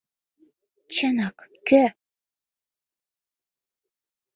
Чынак, кӧ?